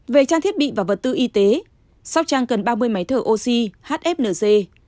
về trang thiết bị và vật tư y tế sóc trăng cần ba mươi máy thở oxy hfnc